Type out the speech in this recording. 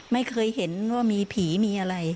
ไม่เคยเห็นว่ามีผีมีอะไร